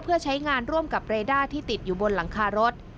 เพื่อใช้งานร่วมกับเรด้าที่ติดอยู่บนหลังคารถ